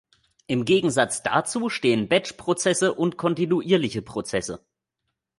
Im Gegensatz dazu stehen Batch-Prozesse und kontinuierliche Prozesse.